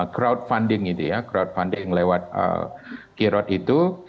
crowdfunding itu ya crowdfunding lewat kirot itu